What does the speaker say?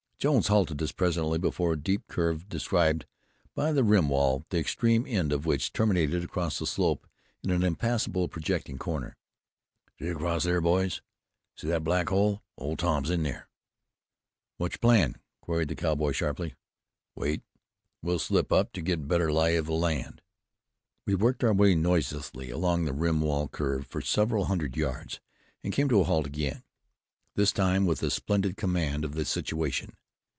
Jones halted us presently before a deep curve described by the rim wall, the extreme end of which terminated across the slope in an impassable projecting corner. "See across there, boys. See that black hole. Old Tom's in there." "What's your plan?" queried the cowboy sharply. "Wait. We'll slip up to get better lay of the land." We worked our way noiselessly along the rim wall curve for several hundred yards and came to a halt again, this time with a splendid command of the situation.